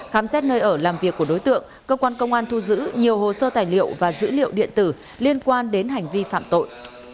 khám xét nơi ở làm việc của đối tượng cơ quan công an thu giữ nhiều hồ sơ tài liệu và dữ liệu điện tử liên quan đến hành vi phạm tội